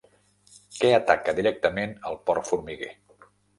Què ataca directament el porc formiguer?